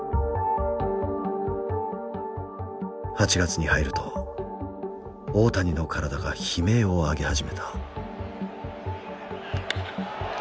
８月に入ると大谷の体が悲鳴を上げ始めた。